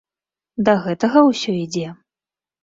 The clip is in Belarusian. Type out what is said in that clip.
Да гэтага ўсё ідзе?